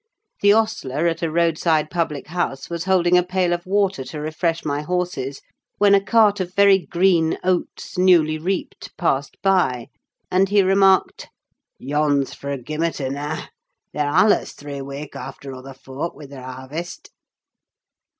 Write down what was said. The ostler at a roadside public house was holding a pail of water to refresh my horses, when a cart of very green oats, newly reaped, passed by, and he remarked,—"Yon's frough Gimmerton, nah! They're allas three wick' after other folk wi' ther harvest."